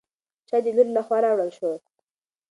چای د لور له خوا راوړل شو.